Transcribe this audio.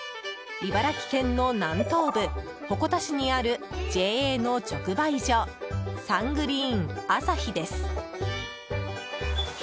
茨城県の南東部、鉾田市にあるＪＡの直売所サングリーン旭です。